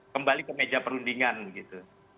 kembali ke meja perundingan gitu